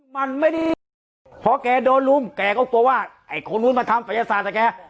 มันไม่ได้พอแกโดนลุมแกก็กลัวว่าไอ้คนนู้นมาทำศัยศาสตร์กับแก